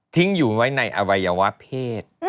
อยู่ไว้ในอวัยวะเพศ